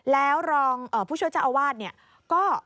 แล้วลองผู้ช่วยเจ้าอาวัดก็